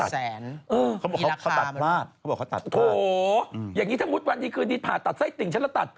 สี่แสนอีกราคาเหมือนกันโอ้โฮอย่างนี้ถ้ามุดวันที่คืนนี้ผ่าตัดไส้ติ่งฉันแล้วตัด